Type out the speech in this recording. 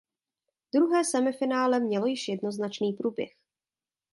Druhé semifinále mělo již jednoznačný průběh.